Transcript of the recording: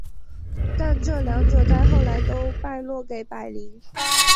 但这两者在后来都落败给柏林。